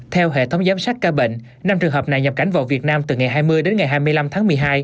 theo hệ thống giám sát ca bệnh năm trường hợp này nhập cảnh vào việt nam từ ngày hai mươi đến ngày hai mươi năm tháng một mươi hai